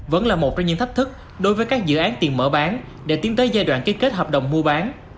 vẫn là một trong những thách thức đối với các dự án tiền mở bán để tiến tới giai đoạn ký kết hợp đồng mua bán